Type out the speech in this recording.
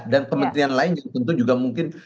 dan kementerian lain tentu juga mungkin